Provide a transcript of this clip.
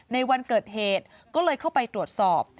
ในวันเกิดเหตุก็เลยเข้าไปตรวจสอบ